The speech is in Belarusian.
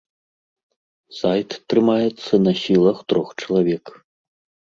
Сайт трымаецца на сілах трох чалавек.